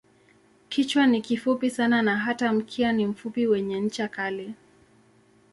Kichwa ni kifupi sana na hata mkia ni mfupi wenye ncha kali.